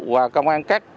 và công an các